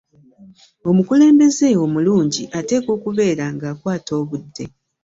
omukulembeze omulungi atekwa okubeera nga akwata obudde